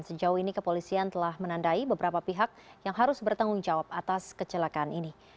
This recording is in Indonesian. sejauh ini kepolisian telah menandai beberapa pihak yang harus bertanggung jawab atas kecelakaan ini